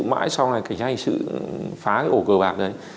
mãi sau này cảnh sát hành sự phá cái ổ cửa bạc rồi đấy